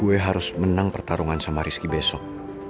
gue harus menang pertarungan sama rizky besok